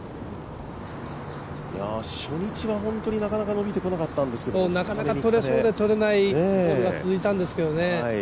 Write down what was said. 初日はなかなか伸びてこなかったんですけど、いつの間にか。なかなか取れそうで取れないホールが続いたんですけどね。